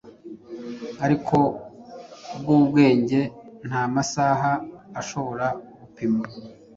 ariko bwubwenge ntamasaha ashobora gupima.